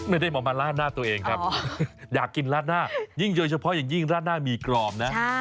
ไม่ได้มาลาดหน้าตัวเองครับอยากกินราดหน้ายิ่งโดยเฉพาะอย่างยิ่งราดหน้าหมี่กรอบนะ